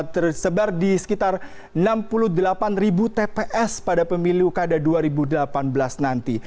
tersebar di sekitar enam puluh delapan ribu tps pada pemilu kada dua ribu delapan belas nanti